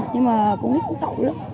nhưng mà con nít cũng khổ lắm